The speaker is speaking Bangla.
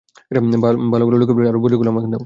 ভালোগুলা লুকিয়ে ফেলো আর বুড়ি গুলা আমাকে দাও!